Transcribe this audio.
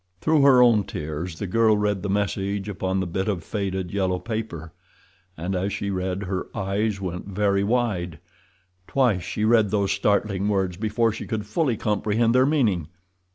Through her own tears the girl read the message upon the bit of faded yellow paper, and as she read her eyes went very wide. Twice she read those startling words before she could fully comprehend their meaning.